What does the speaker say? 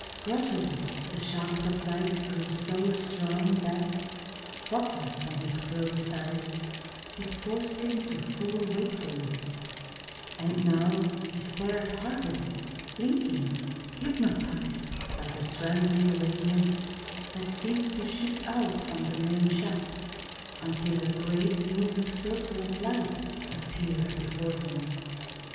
Gradually the shaft of light grew so strong that, focused on his closed eyes, it forced him to full wakefulness; and now he stared hard at it, blinking, hypnotized by the trembling radiance that seemed to shoot out from the main shaft until a great moving circle of light appeared before him.